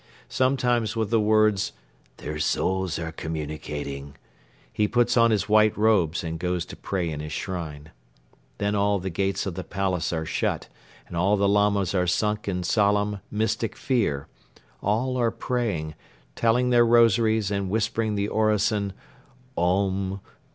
Sometimes with the words "Their souls are communicating," he puts on his white robes and goes to pray in his shrine. Then all the gates of the palace are shut and all the Lamas are sunk in solemn, mystic fear; all are praying, telling their rosaries and whispering the orison: "Om!